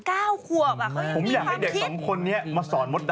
เก้าขวบเขายังมีความคิด